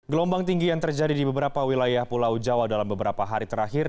gelombang tinggi yang terjadi di beberapa wilayah pulau jawa dalam beberapa hari terakhir